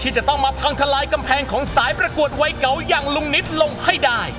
จะต้องมาพังทลายกำแพงของสายประกวดวัยเก่าอย่างลุงนิดลงให้ได้